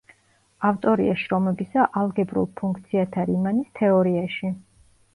ავტორია შრომებისა ალგებრულ ფუნქციათა რიმანის თეორიაში.